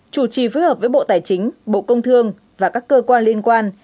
chủ trì phối hợp với bộ tài chính bộ công thương và các cơ quan liên quan